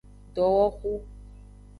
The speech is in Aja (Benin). Dowoxu.